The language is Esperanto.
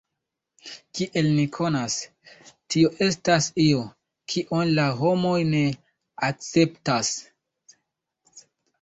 Kiel ni konas, tio estas io, kion la homoj ne akceptas.